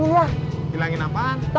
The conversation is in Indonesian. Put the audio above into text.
ga usah bayar bang